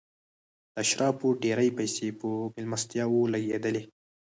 د اشرافو ډېرې پیسې په مېلمستیاوو لګېدې.